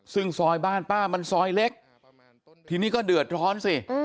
ซึ่งซอยบ้านป้ามันซอยเล็กทีนี้ก็เดือดร้อนสิ